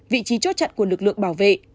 vị trí chốt chặn của lực lượng bảo vệ